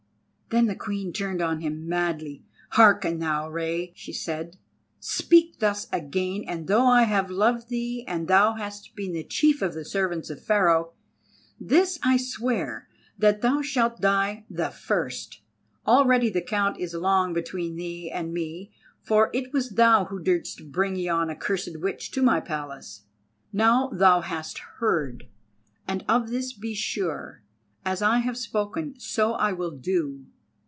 Then the Queen turned on him madly: "Hearken thou, Rei!" she said; "speak thus again, and though I have loved thee and thou hast been the chief of the servants of Pharaoh, this I swear, that thou shalt die the first. Already the count is long between thee and me, for it was thou who didst bring yon accursed witch to my Palace. Now thou hast heard, and of this be sure, as I have spoken so I will do.